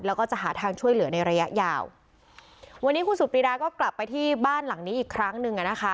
แล้วก็จะหาทางช่วยเหลือในระยะยาววันนี้คุณสุปรีดาก็กลับไปที่บ้านหลังนี้อีกครั้งหนึ่งอ่ะนะคะ